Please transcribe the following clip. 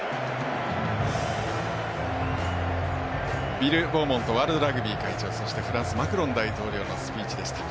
ビル・ボーモントワールドラグビー会長そして、フランスマクロン大統領のスピーチでした。